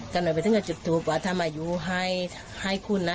กันหน่อยไปทั้งกันจุดถูกว่าถ้ามาอยู่ให้คุณนะ